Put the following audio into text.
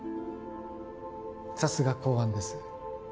さすが公安です